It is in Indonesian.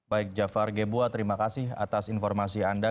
baik jafar gebuah terima kasih atas informasi anda